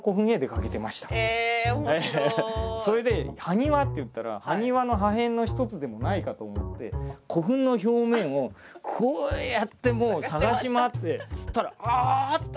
それで埴輪っていったら埴輪の破片の一つでもないかと思って古墳の表面をこうやってもう探し回ってそしたらあああった！